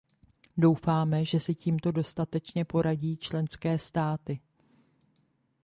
Doufáme, že si s tímto dostatečně poradí členské státy.